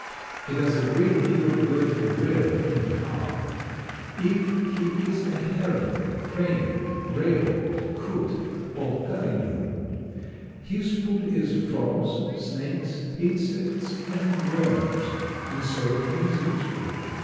He does a great deal of good and rarely any harm. If he is a heron, crane, rail, coot or gallinule, his food is frogs, snakes, insects and worms, and so he is useful.